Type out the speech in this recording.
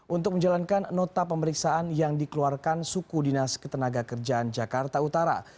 untuk menjalankan nota pemeriksaan yang dikeluarkan suku dinas ketenaga kerjaan jakarta utara